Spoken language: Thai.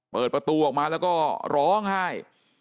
เปิดประตูออกมาแล้วก็ร้องไห้